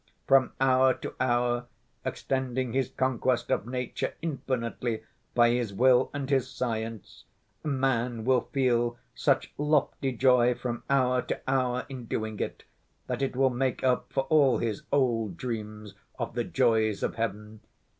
From hour to hour extending his conquest of nature infinitely by his will and his science, man will feel such lofty joy from hour to hour in doing it that it will make up for all his old dreams of the joys of heaven.